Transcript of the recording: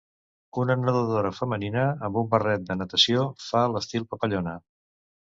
Una nedadora femenina amb un barret de natació fa l"estil papallona.